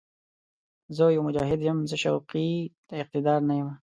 زه يو «مجاهد» یم، زه شوقي د اقتدار نه یم